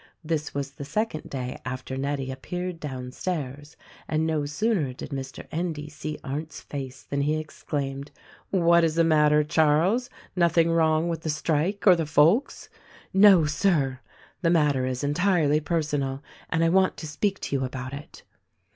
This was the second day after Nettie appeared down stairs ; and no sooner did Mr. Endy see Arndt's face than he exclaimed, "What is the matter, Charles? — nothing wrong with the strike or the folks?" "No, Sir ! the matter is entirely personal and I want to speak to you about it."